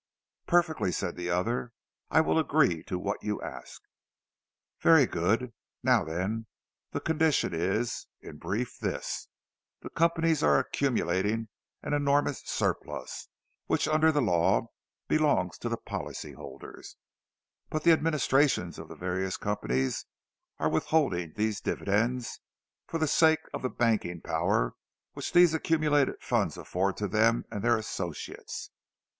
"Perfectly," said the other. "I will agree to what you ask." "Very good. Now then, the condition is, in brief, this: the companies are accumulating an enormous surplus, which, under the law, belongs to the policy holders; but the administrations of the various companies are withholding these dividends, for the sake of the banking power which these accumulated funds afford to them and their associates.